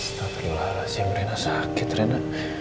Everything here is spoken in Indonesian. astagfirullahaladzim rena sakit rena